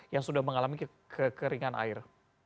yang sudah mengalami kekeringan air